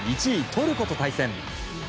トルコと対戦。